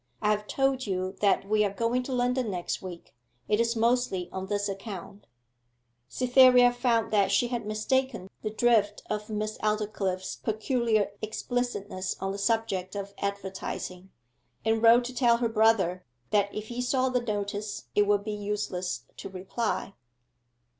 I have told you that we are going to London next week; it is mostly on this account.' Cytherea found that she had mistaken the drift of Miss Aldclyffe's peculiar explicitness on the subject of advertising, and wrote to tell her brother that if he saw the notice it would be useless to reply.